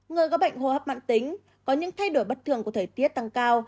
người có bệnh hồ hấp mạng tính có những thay đổi bất thường của thời tiết tăng cao